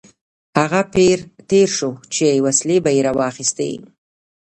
هغه پیر تېر شو چې وسلې به یې راواخیستې.